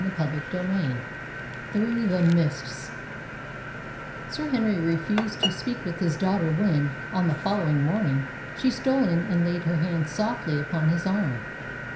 CHAPTER XXI THROUGH THE MISTS Sir Henry refused to speak with his daughter when, on the following morning, she stole in and laid her hand softly upon his arm.